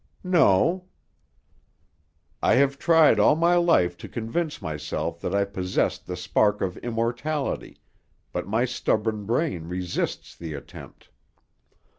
"No." "I have tried all my life to convince myself that I possessed the spark of immortality, but my stubborn brain resists the attempt.